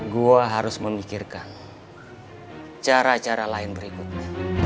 gue harus memikirkan cara cara lain berikutnya